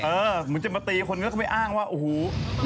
เออมึงจะมาตีคนก็ไม่อ้างว่าอูหู